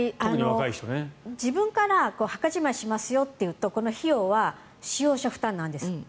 自分から墓じまいしますよと言うとこの費用は使用者負担なんです。